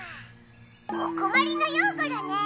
おこまりのようゴロね？